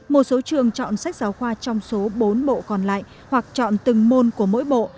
một số trường chọn sách giáo khoa trong số bốn bộ còn lại hoặc chọn từng môn của mỗi bộ